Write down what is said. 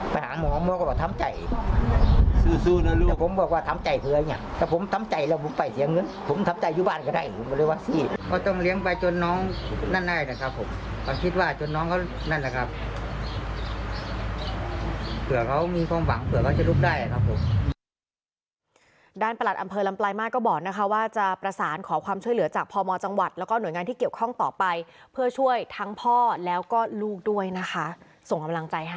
เผื่อเขามีความหวังเผื่อเขาจะลุกได้ครับผม